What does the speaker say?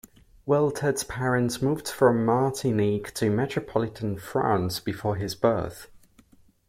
Wiltord's parents moved from Martinique to metropolitan France before his birth.